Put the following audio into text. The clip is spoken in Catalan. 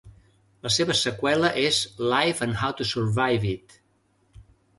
La seva seqüela és "Life and How to Survive It".